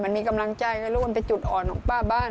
มันมีกำลังใจแล้วมันเป็นจุดอ่อนของป้าบ้าน